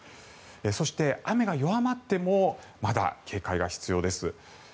そして、雨が弱まってもまだ警戒が必要です。